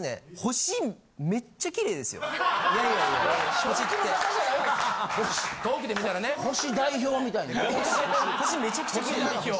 星めちゃくちゃキレイ。